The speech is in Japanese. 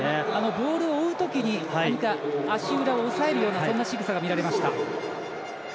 ボールを追うときに何か、足裏を押さえるようなそんなしぐさが見られました。